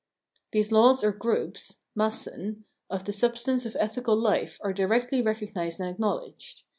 These laws or groups (Massen) of the substance of ethical Hfe are directly recognised and acknowledged.